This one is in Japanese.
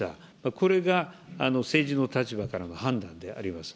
これが政治の立場からの判断であります。